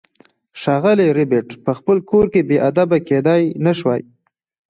ښاغلی ربیټ په خپل کور کې بې ادبه کیدای نشوای